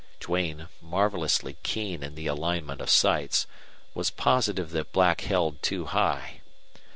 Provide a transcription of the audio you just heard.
Duane, marvelously keen in the alignment of sights, was positive that Black held too high.